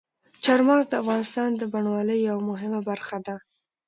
چار مغز د افغانستان د بڼوالۍ یوه مهمه برخه ده.